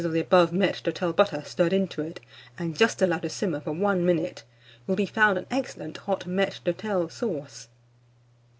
of the above maître d'hôtel butter stirred into it, and just allowed to simmer for 1 minute, will be found an excellent hot maître d'hôtel sauce.